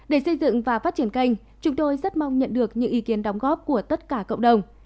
để xây dựng và phát triển kênh chúng tôi rất mong nhận được những ý kiến đóng góp của tất cả cộng đồng